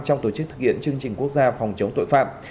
trong tổ chức thực hiện chương trình quốc gia phòng chống tội phạm